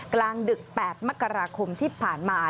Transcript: กลางดึก๘มกราคมที่ผ่านมา